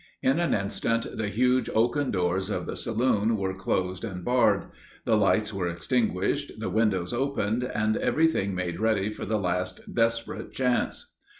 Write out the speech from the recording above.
In an instant the huge oaken doors of the saloon were closed and barred, the lights were extinguished, the windows opened, and everything made ready for the last desperate chance.